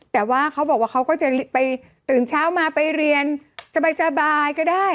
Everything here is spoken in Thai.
แต่ว่าเขาบอกว่าเขาก็จะไปตื่นเช้ามาไปเรียนสบายก็ได้